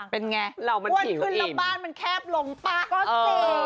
เป็นไงเรามันผิวอิ่มอ้วนขึ้นแล้วบ้านมันแคบลงปะก็สิ